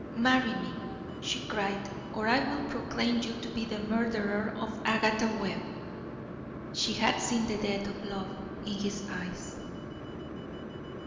"Marry me," she cried, "or I will proclaim you to be the murderer of Agatha Webb." She had seen the death of love in his eyes.